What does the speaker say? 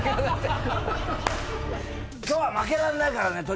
今日は負けらんないから。